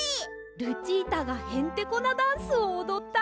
ルチータがへんてこなダンスをおどったり！